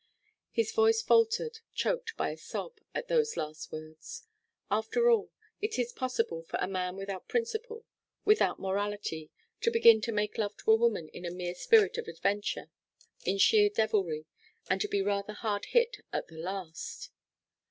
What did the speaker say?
His voice faltered, choked by a sob, at those last words. After all, it is possible for a man without principle, without morality, to begin to make love to a woman in a mere spirit of adventure, in sheer devilry, and to be rather hard hit at the last.